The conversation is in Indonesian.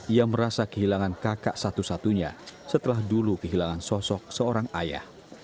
ia merasa kehilangan kakak satu satunya setelah dulu kehilangan sosok seorang ayah